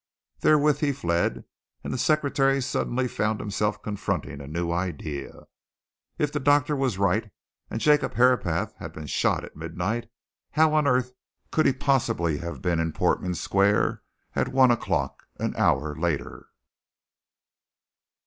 Therewith he fled, and the secretary suddenly found himself confronting a new idea. If the doctor was right and Jacob Herapath had been shot dead at midnight, how on earth could he possibly have been in Portman Square at one o'clock, an hour later?